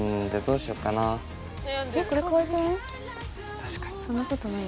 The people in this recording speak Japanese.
確かにそんなことない？